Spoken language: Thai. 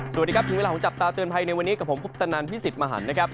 สวัสดีครับถึงเวลาของจับตาเตือนภัยในวันนี้กับผมคุปตนันพี่สิทธิ์มหันนะครับ